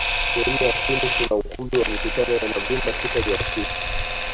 Sehemu ya chini kuna ukumbi wa mikutano na vyumba sita vya ofisi